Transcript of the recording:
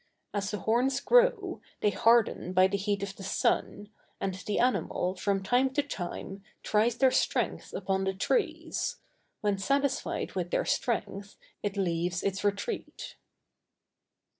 As the horns grow, they harden by the heat of the sun, and the animal, from time to time, tries their strength upon the trees; when satisfied with their strength, it leaves its retreat.